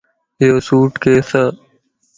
ايو سوڻ ڪيسَ